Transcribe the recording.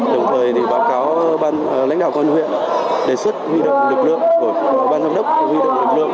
đồng thời báo cáo lãnh đạo công an huyện đề xuất huy động lực lượng của ban giám đốc huy động lực lượng